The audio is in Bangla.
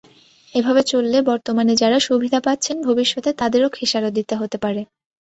এভাবে চললে বর্তমানে যাঁরা সুবিধা পাচ্ছেন, ভবিষ্যতে তাঁদেরও খেসারত দিতে হতে পারে।